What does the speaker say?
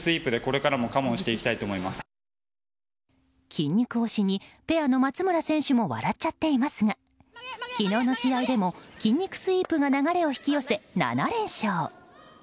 筋肉押しにペアの松村選手も笑っちゃっていますが昨日の試合でも、筋肉スイープが流れを引き寄せ７連勝。